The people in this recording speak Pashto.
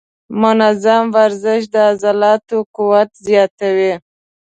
منظم ورزش د عضلاتو قوت زیاتوي.